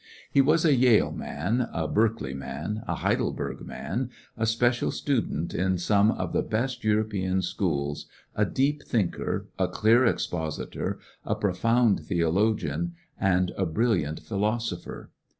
He was a Yale man, a Berkeley man, a Heidelberg man, a special student in some of the best European schools, a deep thinker, a clear expositor, a profound theologian, and a brilliant philosopher.